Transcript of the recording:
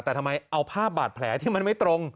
แต่ทำไมเอาภาพบาดแผลที่มันไม่ตรง